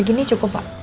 segini cukup pak